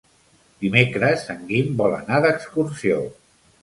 Dimecres en Guim vol anar d'excursió.